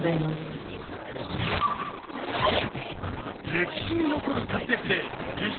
歴史に残る活躍で受賞